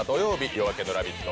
「夜明けのラヴィット！」